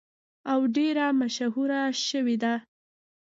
او ډیره مشهوره شوې ده.